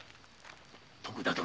徳田殿